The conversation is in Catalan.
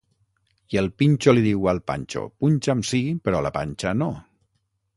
I el Pinxo li diu al Panxo: punxa’m sí, però a la panxa, no.